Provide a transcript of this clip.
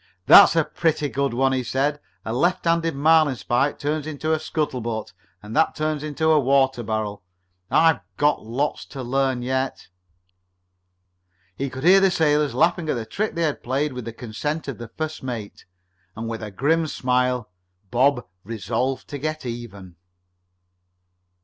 "That's pretty good," he said. "A left handed marlinspike turns into a scuttle butt, and that turns into a water barrel. I've got lots to learn yet." He could hear the sailors laughing at the trick they had played, with the consent of the first mate, and with a grim smile Bob resolved to get even.